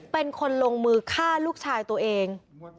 เป็นคนลงมือฆ่าลูกชายตัวเอง